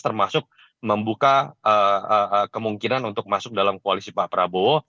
termasuk membuka kemungkinan untuk masuk dalam koalisi pak prabowo